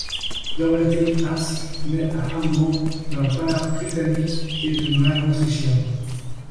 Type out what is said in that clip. Dorothy Haas naît à Hambourg d'un père britannique et d'une mère autrichienne.